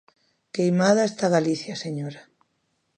Queimada está Galicia, señora.